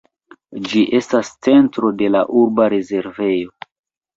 Ĝi estas centro de la urba rezervejo.